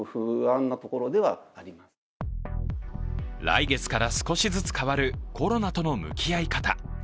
来月から少しずつ変わるコロナとの向き合い方。